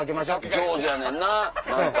上手やねんな何か。